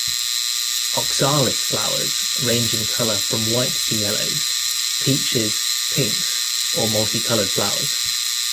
Oxalis flowers range in colour from whites to yellows, peaches, pinks, or multi-coloured flowers.